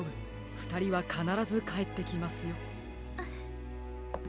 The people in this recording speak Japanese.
ふたりはかならずかえってきますよ。